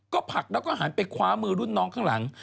ก็ผลักแล้วก็หันไปคว้ามือรุ่นน้องข้างหลัง